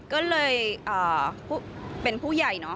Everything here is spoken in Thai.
ก็เลยเป็นผู้ใหญ่เนาะ